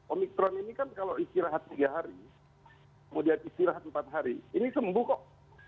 omikron ini kan kalau istirahat tiga hari kemudian istirahat empat hari ini sembuh kok